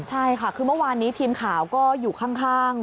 ใช่ค่ะคือเมื่อวานนี้ทีมข่าวก็อยู่ข้าง